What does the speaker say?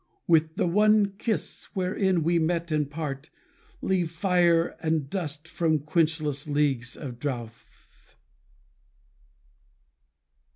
With the one kiss wherein we meet and part. Leave fire and dust from quenchless leagues of drouth.